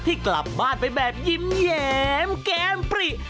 ที่กลับบ้านไปแบบยิ้มแหยมแก้มปริ